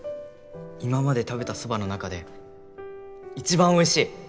今まで食べたそばの中で一番おいしい！